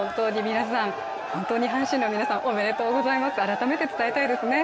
本当に阪神の皆さん、おめでとうございます、改めて伝えたいですね。